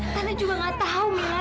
tante juga enggak tahu mila